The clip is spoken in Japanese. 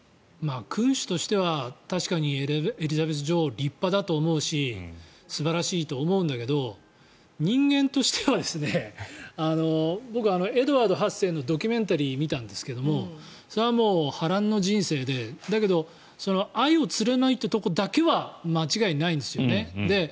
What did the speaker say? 君主としては確かにエリザベス女王は立派だと思うし素晴らしいと思うんだけど人間としては僕はエドワード８世のドキュメンタリーを見たんですけど波乱の人生でだけど愛を貫いたということだけは間違いないんですよね。